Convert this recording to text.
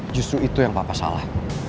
justru itu yang papa salah